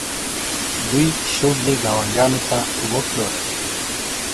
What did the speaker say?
دوی شوبلې ګاونډیانو ته وپلورلې.